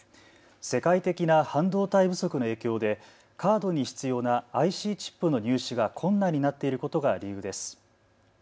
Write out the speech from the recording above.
世界的な半導体不足の影響でカードに必要なＩＣチップの入手が困難になっていることが理由です。